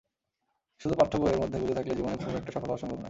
শুধু পাঠ্যবইয়ের মধ্যে গুজে থাকলে জীবনে খুব একটা সফল হওয়া সম্ভব নয়।